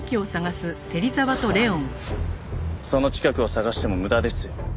ああその近くを捜しても無駄ですよ。